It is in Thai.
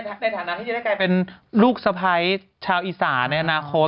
ในฐานะที่จะได้กลายเป็นลูกสะพ้ายชาวอีสานในอนาคต